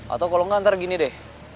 atau kalau nggak ntar gini deh